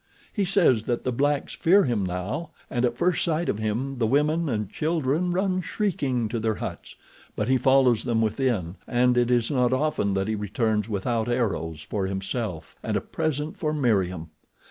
He says that the blacks fear him now, and at first sight of him the women and children run shrieking to their huts; but he follows them within, and it is not often that he returns without arrows for himself and a present for Meriem.